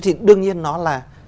thì đương nhiên nó là